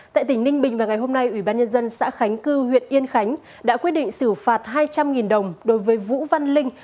tại tỉnh ninh bình vào ngày hôm nay ủy ban nhân dân xã khánh cư huyện yên khánh đã quyết định xử phạt hai trăm linh đồng đối với vũ văn linh